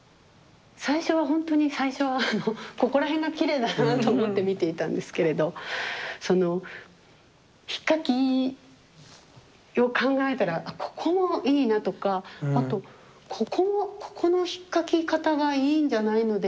最初はほんとに最初はあのここら辺がきれいだなと思って見ていたんですけれどそのひっかきを考えたらここもいいなとかあとここもここのひっかき方がいいんじゃないのでしょうかとか思うし。